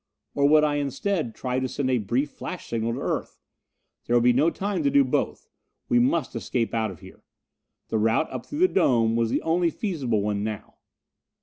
Or would I instead try to send a brief flash signal to Earth? There would be no time to do both: we must escape out of here. The route up through the dome was the only feasible one now.